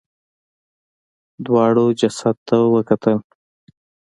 دواړو جسد ته وکتل.